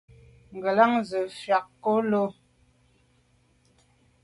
Ngelan ze mfùag ko là mbwôg nke ngù wut ben ndume.